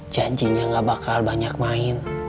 janjinya gak bakal banyak main